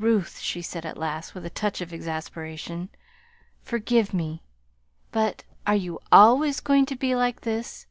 "Ruth," she said, at last, with a touch of exasperation, "forgive me, but are you always going to be like this?